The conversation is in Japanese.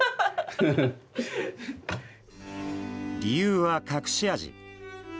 理由は隠し味。